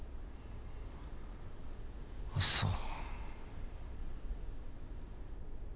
そう